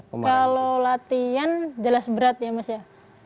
kalau latihan jelas berat ya mas ya